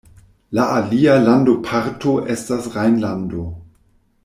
La alia landoparto estas Rejnlando.